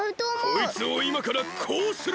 こいつをいまからこうする！